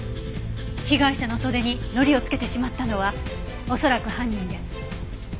被害者の袖に糊をつけてしまったのは恐らく犯人です。